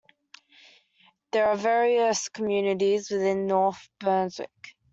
There are various communities within North Brunswick.